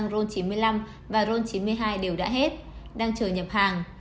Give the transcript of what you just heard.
rôn chín mươi năm và rôn chín mươi hai đều đã hết đang chờ nhập hàng